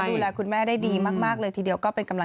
ดูแลคุณแม่ได้ดีมากเลย